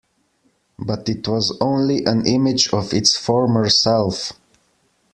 But it was only an image of its former self.